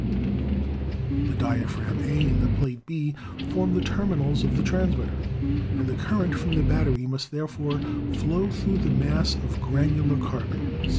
The dia phragm, A, and the plate, B, form the terminals of the transmitter, and the current from the battery must there fore flow through the mass of granular carbon, C.